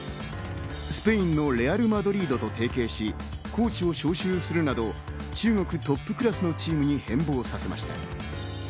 スペインのレアル・マドリードと提携し、コーチを召集するなど中国トップクラスのチームに変貌させました。